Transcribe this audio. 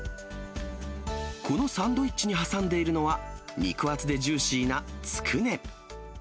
このサンドイッチに挟んでいるのは、肉厚でジューシーなつくね。